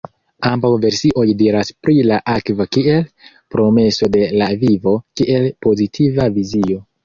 Ambaŭ versioj diras pri la akvo kiel „promeso de la vivo“ kiel pozitiva vizio.